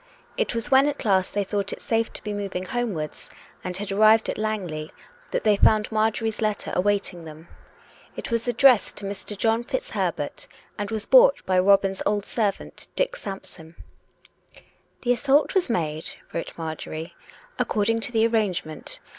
It was when at last they thought it safe to be moving homewards, and had arrived at Langley, that they found Marjorie's letter await ing them. It was addressed to Mr. John FitzHerbert and was brought by Robin's old servant, Dick Sampson, COME RACK! COME ROPE! S73 " The assault was made," wrote Marjorie, " according to the arrangement.